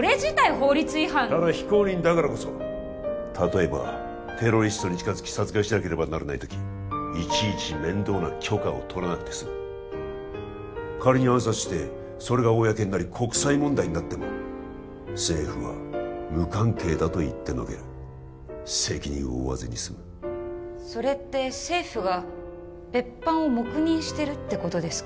法律違反ただ非公認だからこそ例えばテロリストに近づき殺害しなければならない時いちいち面倒な許可を取らなくて済む仮に暗殺してそれが公になり国際問題になっても政府は「無関係だ」と言ってのける責任を負わずに済むそれって政府が別班を黙認してるってことですか？